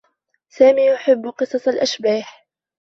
سامي يحبّ قصص الأشباح.